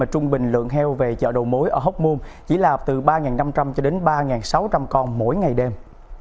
trung bình lượng heo về chợ đầu mối ở hóc môn chỉ là từ ba năm trăm linh cho đến ba sáu trăm linh con mỗi ngày đêm